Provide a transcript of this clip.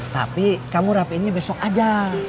tapi kamu rapiinnya besok aja